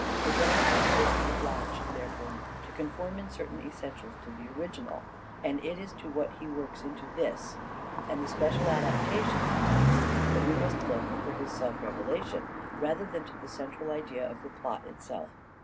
The dramatist is obliged, therefore, to conform in certain essentials to the original ; and it is to what he works into this, and the special adapta tions he makes, that we must look for his self revelation, rather than to the central idea of the plot itself.